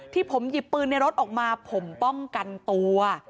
ที่ผมหยิบปืนในรถออกมาผมป้องกันตัว